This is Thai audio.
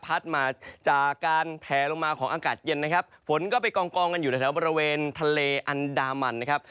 มาจากการแผลลงมาของอากาศเย็นนะครับฝนก็ไปกองกองกันอยู่ในแถวบริเวณทะเลอันดามันนะครับ